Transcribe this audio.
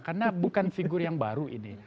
karena bukan figur yang baru ini